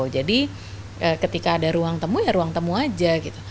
jadi ketika ada ruang temu ya ruang temu aja gitu